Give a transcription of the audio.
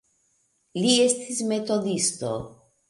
Li estis metodisto.